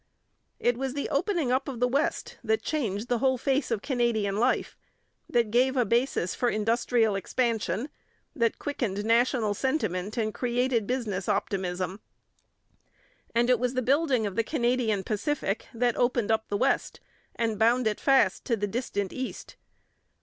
It was the opening up of the West that changed the whole face of Canadian life, that gave a basis for industrial expansion, that quickened national sentiment and created business optimism. And it was the building of the Canadian Pacific that opened up the West and bound it fast to the distant East.